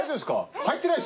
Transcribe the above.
入ってないっすよ